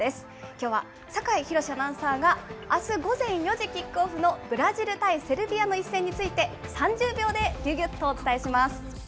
きょうは、酒井博司アナウンサーがあす午前４時キックオフのブラジル対セルビアの一戦について、３０秒でぎゅぎゅっとお伝えします。